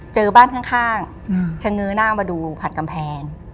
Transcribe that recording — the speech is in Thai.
เจอบ้านข้างข้างอืมชะเงอหน้ามาดูผ่านกำแพง